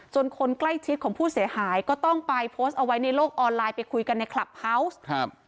คนใกล้ชิดของผู้เสียหายก็ต้องไปโพสต์เอาไว้ในโลกออนไลน์ไปคุยกันในคลับเฮาวส์ครับ